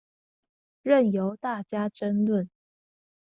任由大家爭論